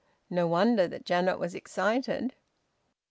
No wonder that Janet was excited.